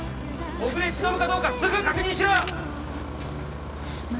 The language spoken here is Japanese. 小暮しのぶかどうかすぐ確認しろ！